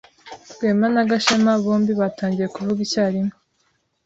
Rwema na Gashema bombi batangiye kuvuga icyarimwe.